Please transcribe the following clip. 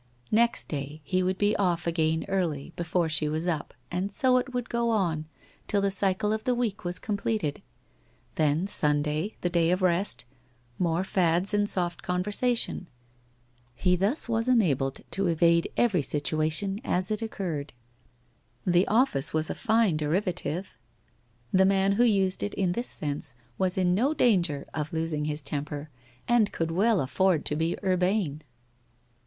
... Next day he would be off again early, before she was up, and so it would go on, till the cycle of the week was com pleted. Then Sunday, the day of rest, more fads and soft conversation ! He thus was enabled to evade every situa tion as it occurred. The otlice was a fine derivative; the 174. WHITE ROSE OF WEARY LEAF man who used it in this sense was in no danger of losing his temper, and could well afford to be urbane